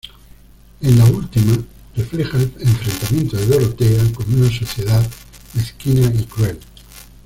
En la última, refleja el enfrentamiento de Dorotea con una sociedad mezquina y cruel.